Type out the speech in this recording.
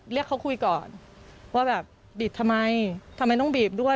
เรียกเขาคุยก่อนว่าแบบบีบทำไมทำไมต้องบีบด้วย